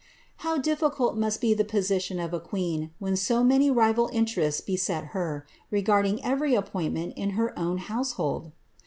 Uow difficult must be the position of a queen, when so many rival interests beset her, regarding every appointment in her own household